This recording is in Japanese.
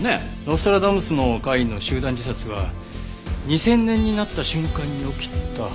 ノストラダムスの会の集団自殺は２０００年になった瞬間に起きたはずだけど。